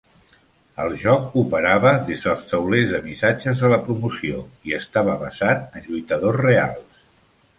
El joc operava des dels taulers de missatges de la promoció i estava basat en lluitadors reals.